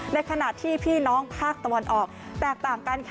ในขณะที่พี่น้องภาคตะวันออกแตกต่างกันค่ะ